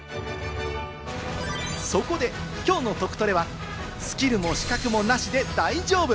そこで今日のトクトレは、スキルも資格もなしで大丈夫！